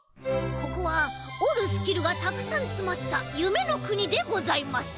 ここはおるスキルがたくさんつまったゆめのくにでございます。